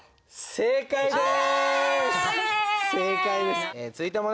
正解です！